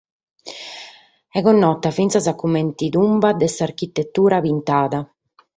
Est connota fintzas comente "Tumba de s'Architetura Pintada".